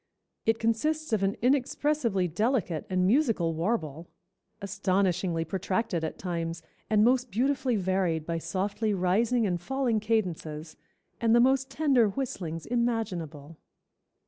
It consists of an inexpressibly delicate and musical warble, astonishingly protracted at times, and most beautifully varied by softly rising and falling cadences, and the most tender whistlings imaginable."